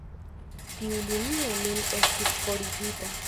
Tiu linio nun estis forigita.